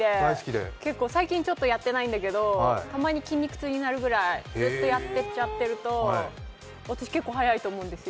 最近ちょっとやってないんだけど、たまに筋肉痛になるぐらいずっとやっちゃっていると私、結構速いと思うんですよ。